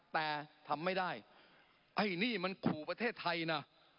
แต่ทำไม่ได้ไอ้นี่มันขู่ประเทศไทยนะ